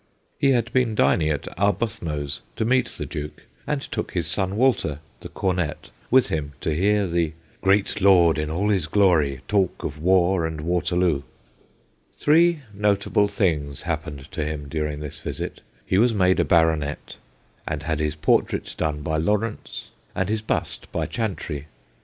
He had been dining at Arbuthnot's to meet the Duke, and took his son Walter, the Cornet, with UP AT SEVEN 203 him, to hear ' the great Lord in all his glory talk of war and Waterloo/ Three notable things happened to him during this visit : he was made a baronet, and had his portrait done by Lawrence, and his bust by Chantrey.